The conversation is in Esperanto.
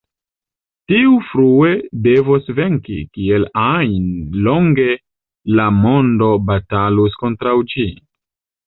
Tiu frue devos venki, kiel ajn longe la mondo batalus kontraŭ ĝi.